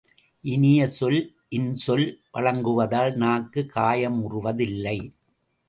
இனிய சொல் இன்சொல் வழங்குவதால் நாக்கு காயமுறுவதில்லை.